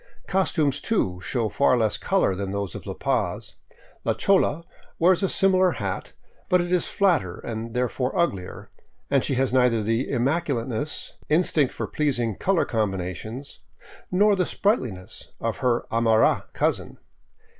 Costumes, too, show far less color than those of La Paz. La chola wears a similar hat, but it is flatter and therefore uglier, and she has neither the immaculateness, in stinct for pleasing color combinations, nor the sprightliness of her Aymara cousin.